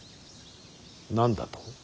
何だと。